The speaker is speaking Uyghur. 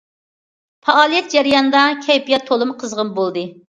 پائالىيەت جەريانىدا كەيپىيات تولىمۇ قىزغىن بولدى.